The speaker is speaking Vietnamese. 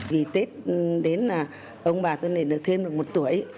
vì tết đến là ông bà tôi lên được thêm được một tuổi